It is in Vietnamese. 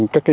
các hộ dân